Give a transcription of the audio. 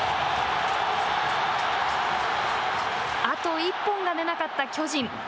あと１本が出なかった巨人。